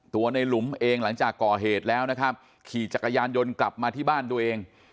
ในหลุมเองหลังจากก่อเหตุแล้วนะครับขี่จักรยานยนต์กลับมาที่บ้านตัวเอง